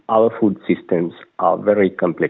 adalah sistem makanan kita